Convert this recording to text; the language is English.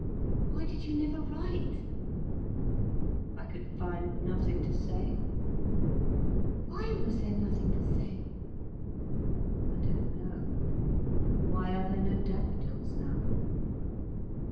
"Why did you never write?" "I could find nothing to say." "Why was there nothing to say?" "I don't know. Why are there no daffodils now?"